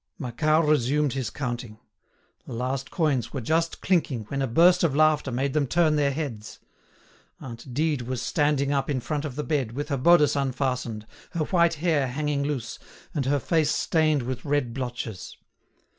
Macquart resumed his counting. The last coins were just clinking when a burst of laughter made them turn their heads. Aunt Dide was standing up in front of the bed, with her bodice unfastened, her white hair hanging loose, and her face stained with red blotches.